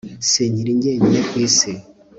sinkiri jyenyine ku isi